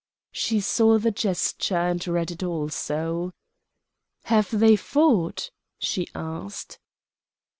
She saw the gesture and read it also. "Have they fought?" she asked.